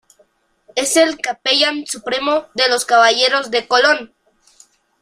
Es el Capellán Supremo de los Caballeros de Colón.